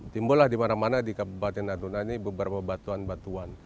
timbullah di mana mana di kabupaten natuna ini beberapa batuan batuan